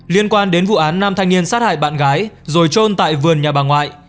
liên quan đến vụ án nam thanh niên sát hại bạn gái rồi trôn tại vườn nhà bà ngoại